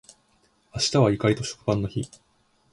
明日はゆかりと食パンの日